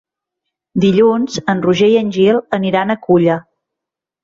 Dilluns en Roger i en Gil aniran a Culla.